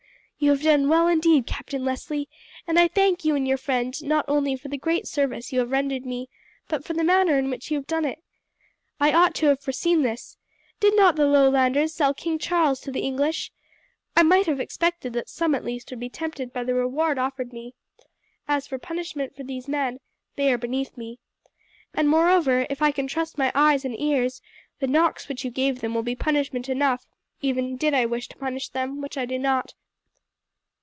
"You have done well, indeed, Captain Leslie, and I thank you and your friend not only for the great service you have rendered me, but for the manner in which you have done it. I ought to have foreseen this. Did not the Lowlanders sell King Charles to the English? I might have expected that some at least would be tempted by the reward offered me. As for punishment for these men, they are beneath me. And, moreover, if I can trust my eyes and my ears, the knocks which you gave them will be punishment enough even did I wish to punish them, which I do not.